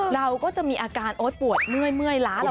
เราก็จะมีอาการโอ้ปวดเมื่อยล้าเราต้องดื่มอาหาร